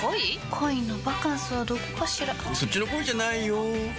恋のバカンスはどこかしらそっちの恋じゃないよ